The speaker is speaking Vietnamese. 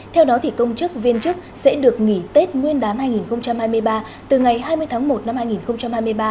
theo đó công chức viên chức sẽ được nghỉ tết nguyên đán hai nghìn hai mươi ba từ ngày hai mươi tháng một năm hai nghìn hai mươi ba